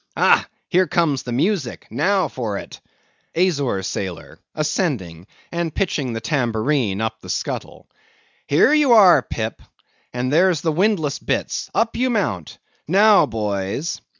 Ah! here comes the music; now for it! AZORE SAILOR. (Ascending, and pitching the tambourine up the scuttle.) Here you are, Pip; and there's the windlass bitts; up you mount! Now, boys!